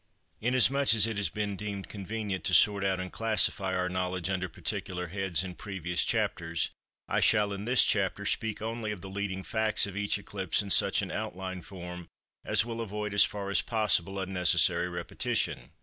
Inasmuch as it has been deemed convenient to sort out and classify our knowledge under particular heads in previous chapters, I shall in this chapter speak only of the leading facts of each eclipse in such an outline form as will avoid as far as possible unnecessary repetition.